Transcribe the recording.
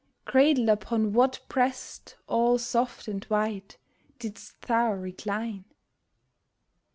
Cradled upon what breast all soft and white Didst thou recline